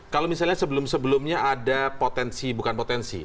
kalau misalnya sebelum sebelumnya ada potensi bukan potensi